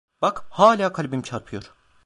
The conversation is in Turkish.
Bak, hala kalbim çarpıyor…